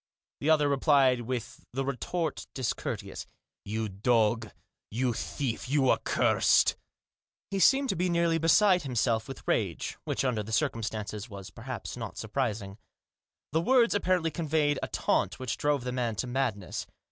' The other replied with the retort discourteous. " You dog I You thief! You accursed !" He seemed to be nearly beside himself with rage, which under the circumstances, perhaps, was not surprising. The words apparently conveyed a taunt which drove the man to madness.